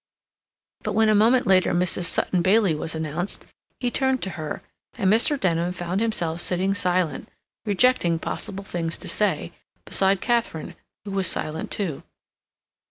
But when a moment later Mrs. Sutton Bailey was announced, he turned to her, and Mr. Denham found himself sitting silent, rejecting possible things to say, beside Katharine, who was silent too.